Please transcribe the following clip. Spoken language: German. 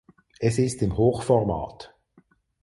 Es ist im Hochformat.